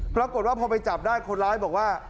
ปรากฏว่าพอไปจับได้คนร้ายบอกว่า